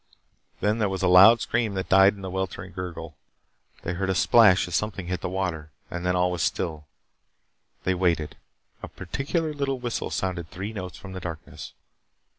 Then there was a loud scream that died in a weltering gurgle. They heard a splash as something hit the water and then all was still. They waited. A peculiar little whistle sounded three notes from the darkness.